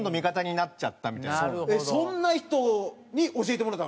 えっそんな人に教えてもろたの？